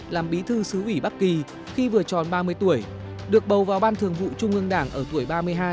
làm bí thư xứ ủy bắc kỳ khi vừa tròn ba mươi tuổi được bầu vào ban thường vụ trung ương đảng ở tuổi ba mươi hai